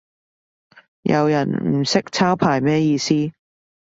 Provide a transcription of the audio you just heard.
有人唔識抄牌咩意思